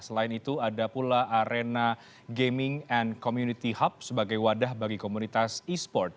selain itu ada pula arena gaming and community hub sebagai wadah bagi komunitas e sport